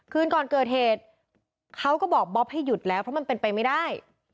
คืนก่อนเกิดเหตุเขาก็บอกบ๊อบให้หยุดแล้วเพราะมันเป็นไปไม่ได้